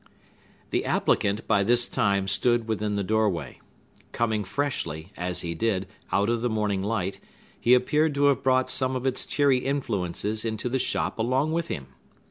The applicant, by this time, stood within the doorway. Coming freshly, as he did, out of the morning light, he appeared to have brought some of its cheery influences into the shop along with him.